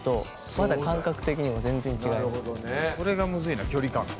これがムズいな距離感が。